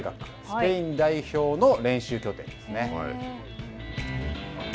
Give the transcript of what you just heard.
スペイン代表の練習拠点ですね。